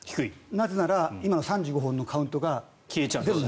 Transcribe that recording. なぜなら今の３５本のカウントが０になっちゃう。